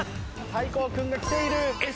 大光君が来ている。